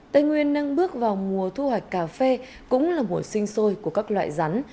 tây nguyên đang bước vào mùa thu hoạch cà phê cũng là mùa sinh sôi của các loại rắn